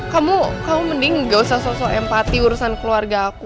kamu mending gak usah sosok empati urusan keluarga aku